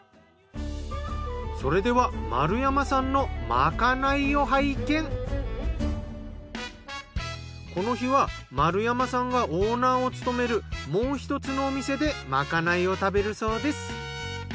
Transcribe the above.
それではこの日は丸山さんがオーナーを務めるもう一つのお店でまかないを食べるそうです。